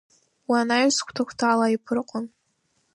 Уи анаҩс, хәҭа-хәҭала иԥырҟон.